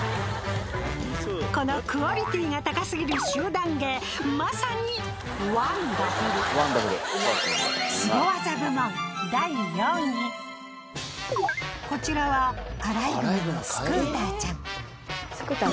このクオリティーが高すぎる集団芸まさにこちらはアライグマのスクーターちゃん。